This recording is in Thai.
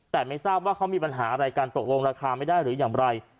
แต่ไม่ทราบว่าเขามีปัญหาอะไรกันตกลงราคาไม่ได้หรืออย่างไร